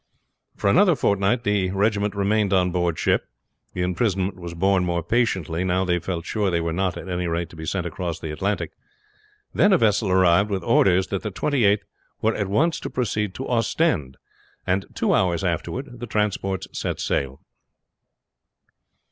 For another fortnight the regiment remained on board ship. The imprisonment was borne more patiently, now they felt sure that they were not at any rate to be sent across the Atlantic. Then a vessel arrived with orders that the Twenty eighth were at once to proceed to Ostend, and two hours afterward the transports set sail.